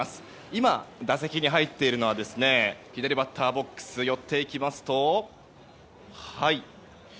今、打席に入っているのは左バッターボックスに寄っていきますと。